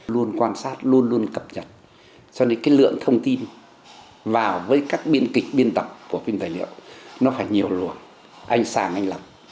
luôn quan sát luôn luôn cập nhật cho nên cái lượng thông tin vào với các biên kịch biên tập của phim tài liệu nó phải nhiều luồng anh sàng anh lập